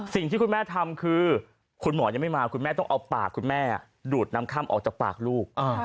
สิ่งที่คุณแม่ทำคือคุณหมอยังไม่มาคุณแม่ต้องเอาปากคุณแม่ดูดน้ำค่ำออกจากปากลูก